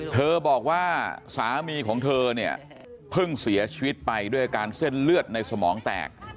เธอบอกว่าสามีของเธอเนี่ยเพิ่งเสียชีวิตไปด้วยอาการเส้นเลือดในสมองแตก